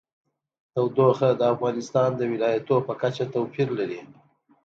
تودوخه د افغانستان د ولایاتو په کچه توپیر لري.